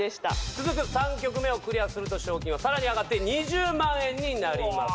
続く３曲目をクリアすると賞金はさらに上がって２０万円になります。